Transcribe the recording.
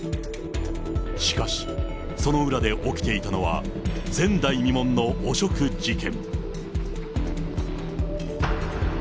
しかし、その裏で起きていたのは、前代未聞の汚職事件。